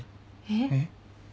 えっ？